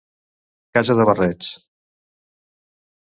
Casa de barrets.